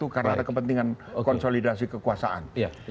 karena ada kepentingan konsolidasi kekuasaan